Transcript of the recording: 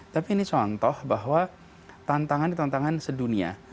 tapi ini contoh bahwa tantangan tantangan sedunia